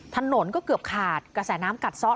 ถนนก็เกือบขาดกระแสน้ำกัดซ่อ